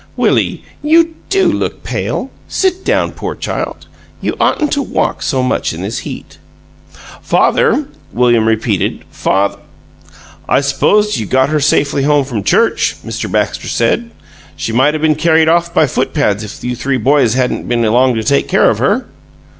"Willie, you DO look pale! Sit down, poor child; you oughtn't to walk so much in this heat." "Father," William repeated. "Fath " "I suppose you got her safely home from church," Mr. Baxter said. "She might have been carried off by footpads if you three boys hadn't been along to take care of her!"